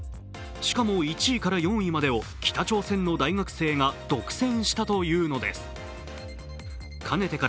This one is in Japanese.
しかも１位から４位までを北朝鮮の大学生が独占したというのです。